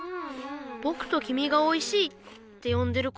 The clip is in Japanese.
ぼくときみが「おいしい」ってよんでる